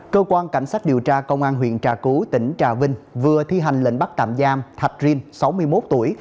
cơ quan cảnh sát điều tra công an huyện trà cú tỉnh trà vinh vừa thi hành lệnh bắt tạm giam thạch rin sáu mươi một tuổi